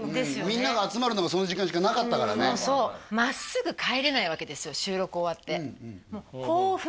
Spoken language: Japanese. みんなが集まるのがその時間しかなかったからねそう真っすぐ帰れないわけですよ